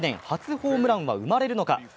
初ホームランは生まれるのか。